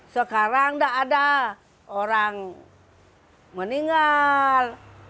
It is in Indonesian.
sekarang tidak ada orang meninggal